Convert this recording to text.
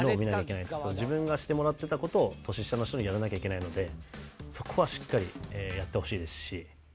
自分がしてもらってた事を年下の人にやらなきゃいけないのでそこはしっかりやってほしいですし。